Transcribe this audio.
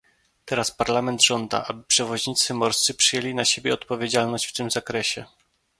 Teraz Parlament żąda, aby przewoźnicy morscy przyjęli na siebie odpowiedzialność w tym zakresie